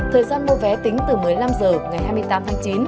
thời gian mua vé tính từ một mươi năm h ngày hai mươi tám tháng chín